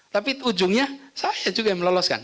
tapi ujungnya saya juga yang meloloskan